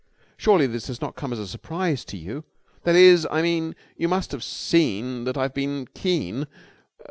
Surely this does not come as a surprise to you? That is, I mean, you must have seen that I've been keen